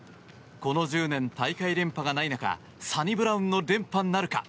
この１０年大会連覇がない中サニブラウンの連覇なるか。